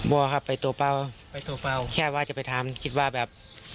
บอกว่าครับไปตัวเป้าแค่ว่าจะไปทำคิดว่าแบบ